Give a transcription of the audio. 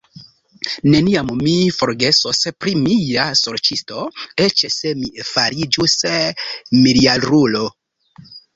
Neniam mi forgesos pri mia sorĉisto, eĉ se mi fariĝus miljarulo.